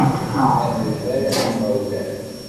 Am lmal, am yimawlan.